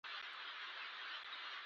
نجلۍ د طبیعت ښایست ده.